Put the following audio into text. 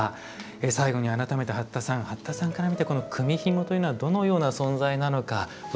最後に改めて八田さん八田さんから見てこの組みひもというのはどのような存在なのかお出し頂けますか。